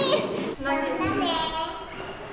またね。